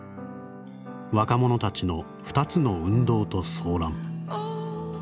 若者たちの２つの運動と騒乱」。